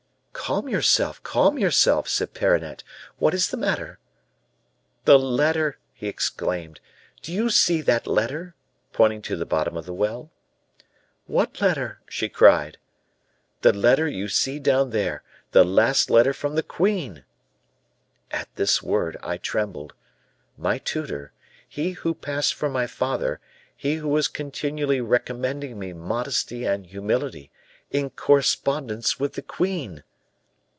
"'Calm yourself, calm yourself,' said Perronnette; 'what is the matter?' "'The letter!' he exclaimed; 'do you see that letter?' pointing to the bottom of the well. "'What letter?' she cried. "'The letter you see down there; the last letter from the queen.' "At this word I trembled. My tutor he who passed for my father, he who was continually recommending me modesty and humility in correspondence with the queen!